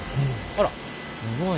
あらすごい。